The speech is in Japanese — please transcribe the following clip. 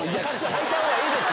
履いたほうがいいですよ。